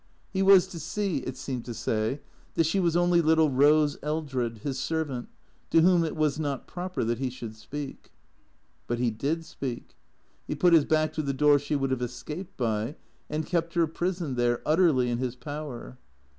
He was to see, it seemed to say, that she was only little Eose Eldred, his servant, to whom it was not proper that he should speak. But he did speak. He put his back to the door she would have escaped by, and kept her prisoned there, utterly in his power.